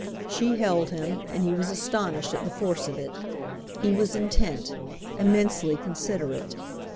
She held him, and he was astonished at the force of it; he was intent, immensely considerate.